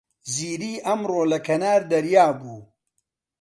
زیری ئەمڕۆ لە کەنار دەریا بوو.